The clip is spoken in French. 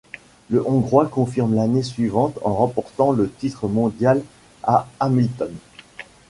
Le Hongrois confirme l'année suivante en remportant le titre mondial à Hamilton.